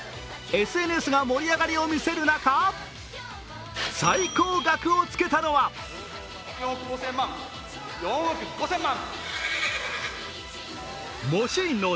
ＳＮＳが盛り上がりを見せる中、最高額をつけたのはモシーンの２０２１。